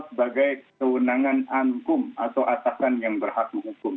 sebagai kewenangan ankum atau atasan yang berhak menghukum